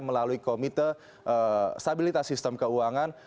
melalui komite stabilitas sistem keuangan